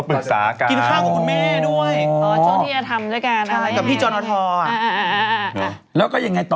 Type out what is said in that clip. จงที่จะต้นกับพี่จอห์นเอาทอ